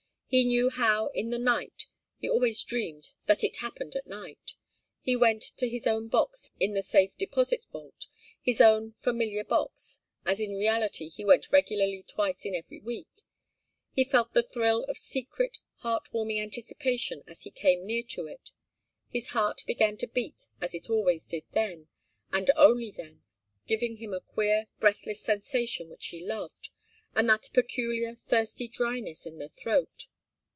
He knew how in the night he always dreamed that it happened at night he went to his own box in the Safe Deposit Vault, his own familiar box, as in reality he went regularly twice in every week. He felt the thrill of secret, heart warming anticipation as he came near to it. His heart began to beat as it always did then, and only then, giving him a queer, breathless sensation which he loved, and that peculiar thirsty dryness in the throat.